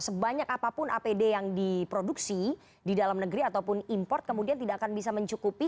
sebanyak apapun apd yang diproduksi di dalam negeri ataupun import kemudian tidak akan bisa mencukupi